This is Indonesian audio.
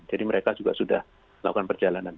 jadi mereka juga sudah melakukan perjalanan